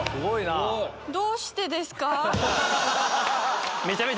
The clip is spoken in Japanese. どうしてですか？